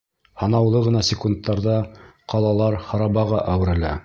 Һанаулы ғына секундтарҙа ҡалалар харабаға әүерелә.